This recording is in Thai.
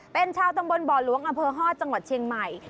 เป็นชาวตำบลบ่อหลวงอำเภอฮอตจังหวัดเชียงใหม่